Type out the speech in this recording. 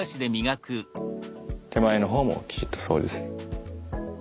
手前の方もきちっと掃除する。